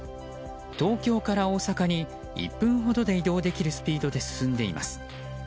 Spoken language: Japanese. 東京から大阪に１分ほどで移動できるスピードで進んでいます。